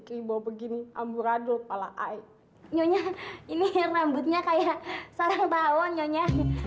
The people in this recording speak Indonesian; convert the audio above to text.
keibau begini amburadul pala air nyonya ini rambutnya kayak sarang tawon nyonya